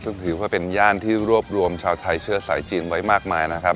ซึ่งถือว่าเป็นย่านที่รวบรวมชาวไทยเชื้อสายจีนไว้มากมายนะครับ